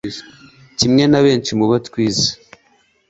kimwe nabenshi mubo twize